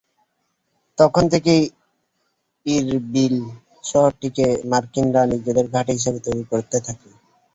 তখন থেকেই ইরবিল শহরটিকে মার্কিনরা নিজেদের ঘাঁটি হিসেবে তৈরি করতে থাকে।